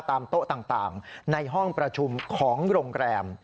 โต๊ะต่างในห้องประชุมของโรงแรม